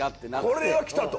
これはきたと。